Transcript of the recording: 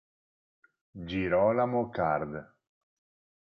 Girolamo Card.